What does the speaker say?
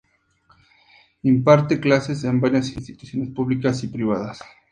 Imparte clases en varias instituciones públicas y privadas.